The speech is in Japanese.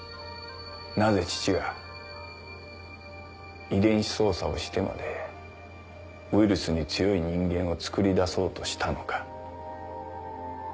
なぜ父が遺伝子操作をしてまでウイルスに強い人間をつくり出そうとしたのか。